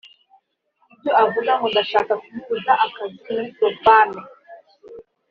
Ibyo avuga ngo ndashaka kumubuza akazi muri Profemmes